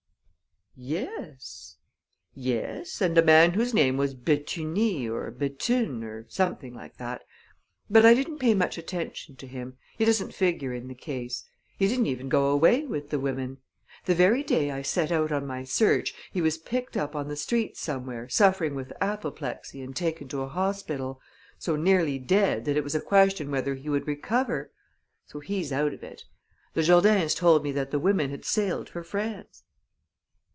"Yes?" "Yes and a man whose name was Betuny or Bethune, or something like that. But I didn't pay much attention to him he doesn't figure in the case. He didn't even go away with the women. The very day I set out on my search, he was picked up on the streets somewhere suffering with apoplexy and taken to a hospital, so nearly dead that it was a question whether he would recover. So he's out of it. The Jourdains told me that the women had sailed for France."